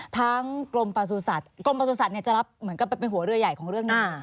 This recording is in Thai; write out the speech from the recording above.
ทั้งกรมประสูจน์สัตว์กรมประสูจน์สัตว์เนี่ยจะรับเหมือนกันเป็นหัวเรือใหญ่ของเรื่องนี้